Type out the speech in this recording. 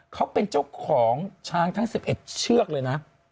เขาเป็นเจ้าของช้างทั้ง๑๑เชือกเลยนะ